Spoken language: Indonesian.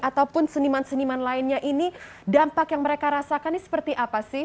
ataupun seniman seniman lainnya ini dampak yang mereka rasakan ini seperti apa sih